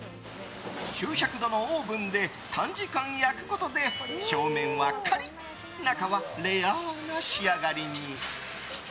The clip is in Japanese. ９００度のオーブンで短時間焼くことで表面はカリッ中はレアな仕上がりに。